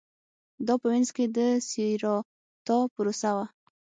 دا په وینز کې د سېراتا پروسه وه